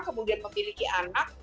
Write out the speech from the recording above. kemudian memiliki anak